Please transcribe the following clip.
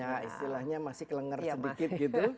ya istilahnya masih kelenger sedikit gitu